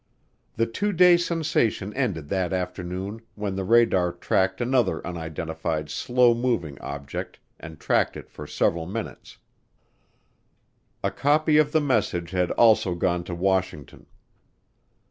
The two day sensation ended that afternoon when the radar tracked another unidentified slow moving object and tracked it for several minutes. A copy of the message had also gone to Washington.